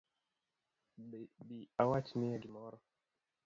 Bi awachnie gimoro